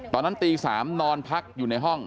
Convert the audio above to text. ตอนนั้นตี๓นอนพักอยู่ในห้อง